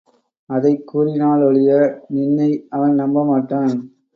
அதைக் கூறினாலொழிய நின்னை அவன் நம்ப மாட்டான்.